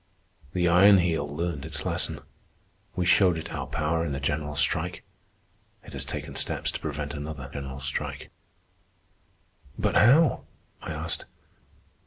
The Iron Heel learned its lesson. We showed it our power in the general strike. It has taken steps to prevent another general strike." "But how?" I asked.